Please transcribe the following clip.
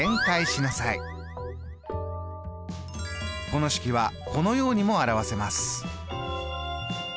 この式はこのようにも表せます。